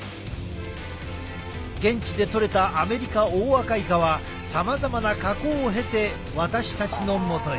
現地で取れたアメリカオオアカイカはさまざまな加工を経て私たちのもとへ。